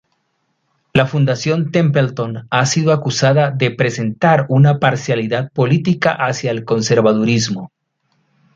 La Fundación Templeton ha sido acusada de presentar una parcialidad política hacia el conservadurismo.